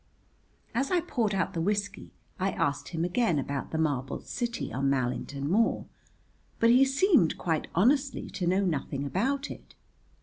As I poured out the whiskey I asked him again about the marble city on Mallington Moor but he seemed quite honestly to know nothing about it.